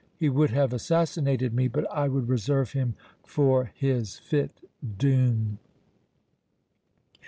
"He would have assassinated me, but I would reserve him for his fit doom."